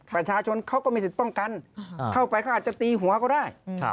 ประชาชนเขาก็มีสิทธิ์ป้องกันเข้าไปเขาอาจจะตีหัวก็ได้